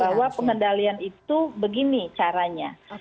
bahwa pengendalian itu begini caranya